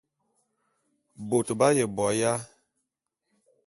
Bôt b'aye bo aya?